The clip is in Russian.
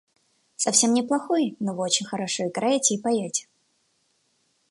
– Совсем не плохой, но вы очень хорошо играете и поете.